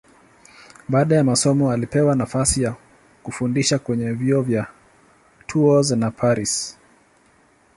Baada ya masomo alipewa nafasi ya kufundisha kwenye vyuo vya Tours na Paris.